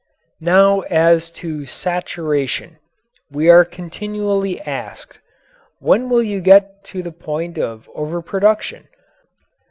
Now as to saturation. We are continually asked: "When will you get to the point of overproduction?